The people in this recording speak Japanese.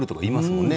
もんね